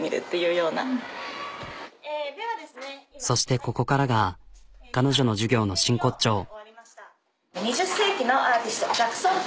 そしてここからが彼女の授業の真骨頂。